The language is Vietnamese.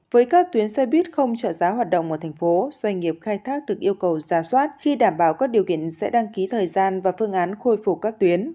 với các tuyến xe buýt không trợ giá hoạt động ở thành phố doanh nghiệp khai thác được yêu cầu giả soát khi đảm bảo các điều kiện sẽ đăng ký thời gian và phương án khôi phục các tuyến